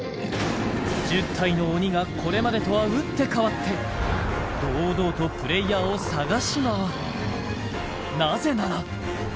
１０体の鬼がこれまでとは打って変わって堂々とプレイヤーを探し回るなぜなら！